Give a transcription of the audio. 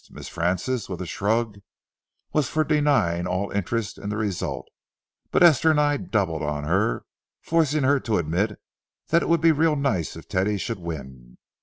Miss Frances, with a shrug, was for denying all interest in the result, but Esther and I doubled on her, forcing her to admit "that it would be real nice if Teddy should win."